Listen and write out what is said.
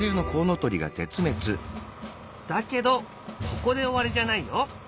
だけどここで終わりじゃないよ。